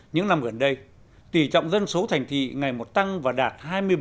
những năm gần đây tỷ trọng dân số thành thị ngày một tăng và đạt hai mươi bảy